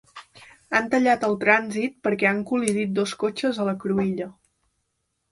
Han tallat el trànsit perquè han col·lidit dos cotxes a la cruïlla.